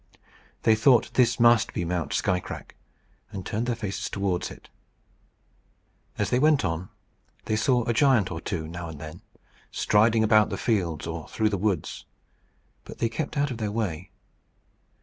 They thought this must be Mount Skycrack, and turned their faces towards it. As they went on, they saw a giant or two, now and then, striding about the fields or through the woods, but they kept out of their way.